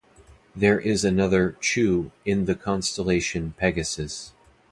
There is another "Choo" in the constellation Pegasus.